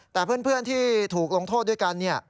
แต่เพื่อนที่ถูกลงโทษด้วยกัน